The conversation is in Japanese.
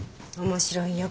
面白いよ。